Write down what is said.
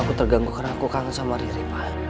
aku terganggu karena aku kangen sama riri pak